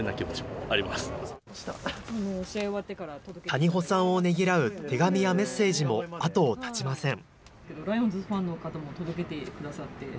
谷保さんをねぎらう手紙やメッセージも後を絶ちません。